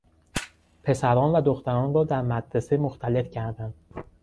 پسران و دختران را در مدرسه مختلط کردن